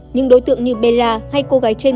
nhưng đối tượng như bella hay cô gái trên